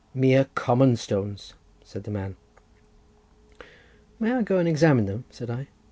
"Mere common rocks," said the man. "May I go and examine them?" said I.